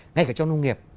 ngay cả trong nông nghiệp